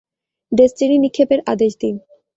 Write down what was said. Destiny নিক্ষেপের আদেশ দিন।